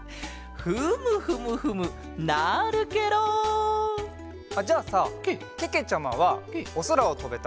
フムフムフムなるケロ！じゃあさけけちゃまはおそらをとべたらなにがしたい？